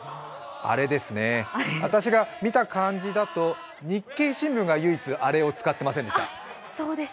アレですね、私が見た感じだと「日経新聞」が唯一、「アレ」を使っていませんでした。